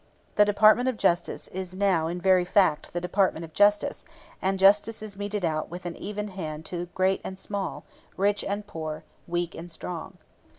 The Department of Justice is now in very fact the Department of Justice, and justice is meted out with an even hand to great and small, rich and poor, weak and strong.